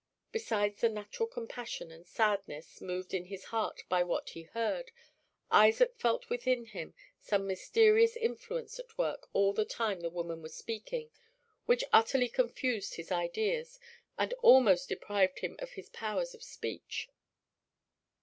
Besides the natural compassion and sadness moved in his heart by what he heard, Isaac felt within him some mysterious influence at work all the time the woman was speaking which utterly confused his ideas and almost deprived him of his powers of speech.